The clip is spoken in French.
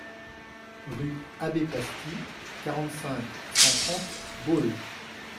Rue Abbé Pasty, quarante-cinq, cent trente Baule